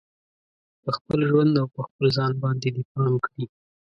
په خپل ژوند او په خپل ځان باندې دې پام کړي